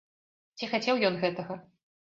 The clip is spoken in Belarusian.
Ці хацеў ён гэтага?